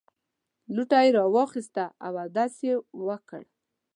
لوټه یې راواخیسته او اودس یې وکړ.